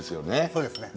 そうですね。